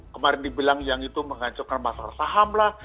kemarin dibilang yang itu menghancurkan masalah saham lah